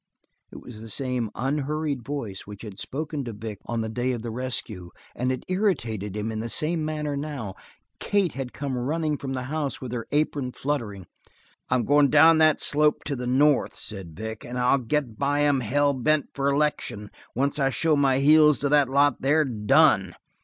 It was the same unhurried voice which had spoken to Vic on the day of the rescue and it irritated him in the same manner now. Kate had come running from the house with her apron fluttering. "I'm going down that slope to the north," said Vic, "and I'll get by 'em hell bent for election. Once I show my heels to that lot they're done!"